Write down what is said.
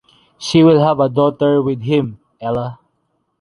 She will have a daughter with him, Ella.